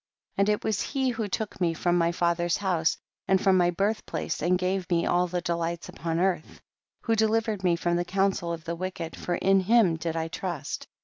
23. And it was he who took me from my father's house, and from my birth place, and gave me all the delights upon earth ; who delivered me from the counsel of the wicked, for in him did I trust.